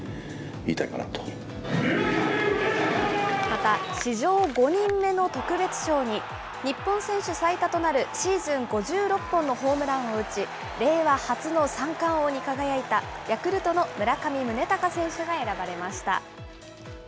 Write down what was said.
また、史上５人目の特別賞に、日本選手最多となるシーズン５６本のホームランを打ち、令和初の三冠王に輝いたヤクルトの村上宗隆選手が選ばれました。